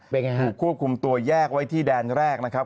เป็นไงฮะถูกควบคุมตัวแยกไว้ที่แดนแรกนะครับ